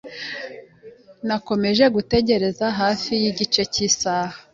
Nakomeje gutegereza hafi igice cy'isaha.